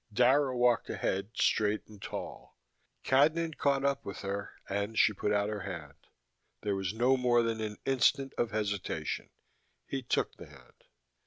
Dara walked ahead, straight and tall: Cadnan caught up with her, and she put out her hand. There was no more than an instant of hesitation. He took the hand.